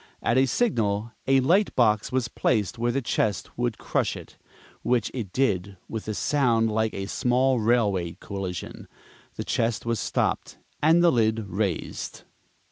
At a signal, a light box was placed where the chest would crush it (which it did with a sound like a small railway collision); the chest was stopped and the lid raised.